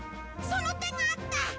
その手があった！